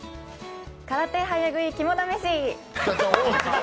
空手、早食い、肝試し。